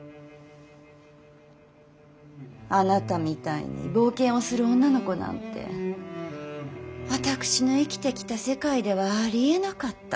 あなたみたいに冒険をする女の子なんて私が生きてきた世界ではありえなかった。